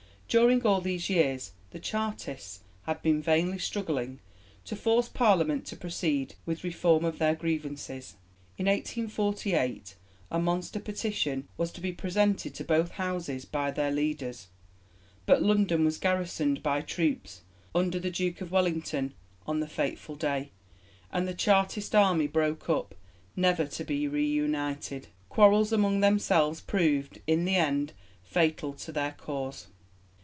During all these years the 'Chartists' had been vainly struggling to force Parliament to proceed with reform of their grievances. In 1848 a monster Petition was to be presented to both Houses by their leaders, but London was garrisoned by troops under the Duke of Wellington on the fateful day, and the Chartist army broke up, never to be reunited. Quarrels among themselves proved, in the end, fatal to their cause.